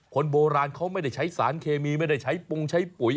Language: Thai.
คนโบราณเขาไม่ได้ใช้สารเคมีไม่ได้ใช้ปรุงใช้ปุ๋ย